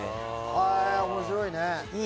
へぇ面白いね。